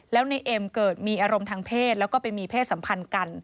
แล้วในเอ็มเกิดมีอารมณ์ทางเพศแล้วก็ไปมีเพศสัมพันธ์กัน